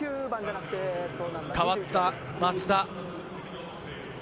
代わった松田。